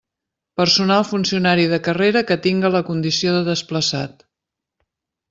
Personal funcionari de carrera que tinga la condició de desplaçat.